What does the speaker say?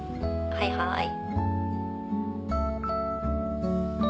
はいはい。